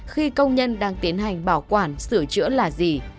khi công nhân đang tiến hành bảo quản sửa chữa là gì